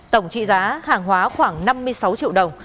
tổng trị giá hàng hóa khoảng năm mươi sáu triệu đồng